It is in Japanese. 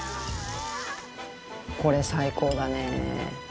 これ最高だね。